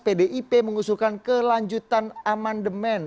pdip mengusulkan kelanjutan aman demen